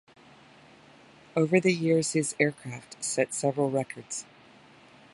Over the years, his aircraft set several records.